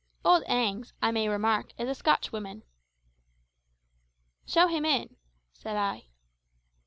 Old Agnes, I may remark, is a Scotchwoman. "Show him in," said I.